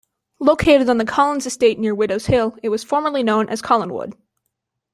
Located on the Collins estate near Widows' Hill, it was formerly known as Collinwood.